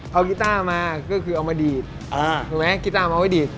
เอากิต้ามาทำไมพี่เกือบของมันเตี๊ด